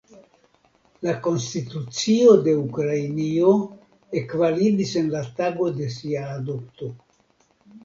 La Konstitucio de Ukrainio ekvalidis en la tago de sia adopto.